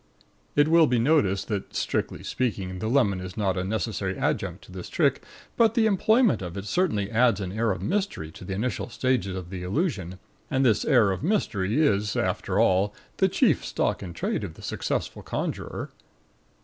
It will be noticed that, strictly speaking, the lemon is not a necessary adjunct of this trick; but the employment of it certainly adds an air of mystery to the initial stages of the illusion, and this air of mystery is, after all, the chief stock in trade of the successful conjurer.